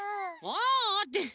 「ああ」って